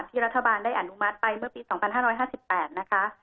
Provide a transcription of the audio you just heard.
รัฐบาลได้อนุมัติไปเมื่อปี๒๕๕๘นะคะ